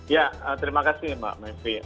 ya terima kasih mbak mepri